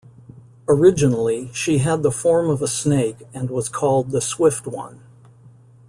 Originally, she had the form of a snake and was called "The swift one".